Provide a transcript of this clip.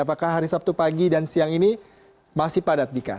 apakah hari sabtu pagi dan siang ini masih padat dika